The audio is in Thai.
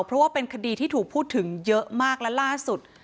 เพราะว่าเป็นคดีที่ถูกพูดถึงเยอะมากและล่าสุด